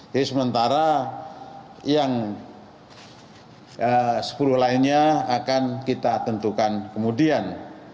jadi sementara yang sepuluh lainnya akan kita tentukan kemudian